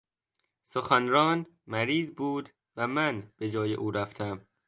سخنران مریض بود و من به جای او رفتم.